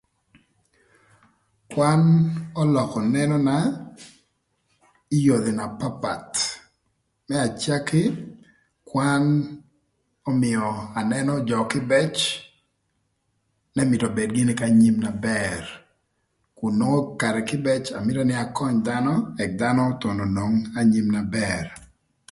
Kwan ölökö nenona ï yodhi na papath, më acaki, kwan ömïö anënö jö kïbëc nï mïtö obed gïnï k'anyim na bër kun nongo karë kïbëc myero aköny dhanö ëk dhanö thon onong anyim na bër.